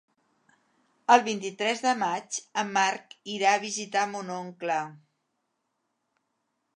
El vint-i-tres de maig en Marc irà a visitar mon oncle.